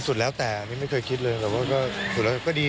สุดแล้วแต่ไม่เคยคิดเลยแต่ว่าก็สุดแล้วก็ดี